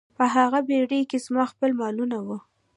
په هغه بیړۍ کې زما خپل مالونه وو.